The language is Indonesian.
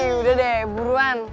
yaudah deh buruan